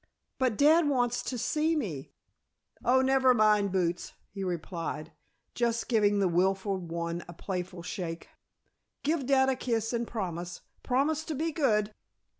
"But dad wants to see me " "Oh, never mind, Boots," he replied, just giving the willful one a playful shake. "Give dad a kiss and promise promise to be good."